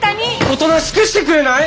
おとなしくしてくれない！？